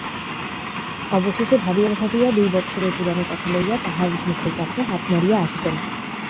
অবশেষে ভাবিয়া ভাবিয়া দুই বৎসরের পুরানো কথা লইয়া তাহার মুখের কাছে হাত নাড়িয়া আসিতেন।